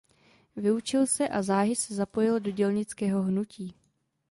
Vyučil se a záhy se zapojil do dělnického hnutí.